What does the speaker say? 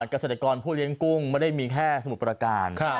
เกษตรกรผู้เลี้ยงกุ้งไม่ได้มีแค่สมุทรประการ